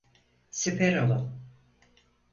Siper alın!